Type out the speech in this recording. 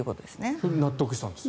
それで納得したんですか？